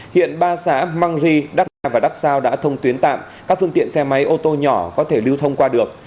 hiện ba xã mang ri đắc na và đắc sao đã thông tuyến tạm các phương tiện xe máy ô tô nhỏ có thể lưu thông qua được